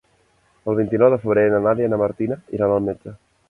El vint-i-nou de febrer na Nàdia i na Martina iran al metge.